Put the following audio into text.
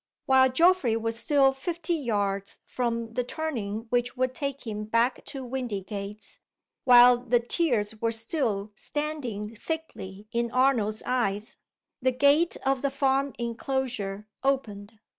While Geoffrey was still fifty yards from the turning which would take him back to Windygates while the tears were still standing thickly in Arnold's eyes the gate of the farm inclosure opened.